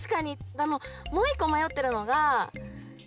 でももう１こまよってるのがたまよ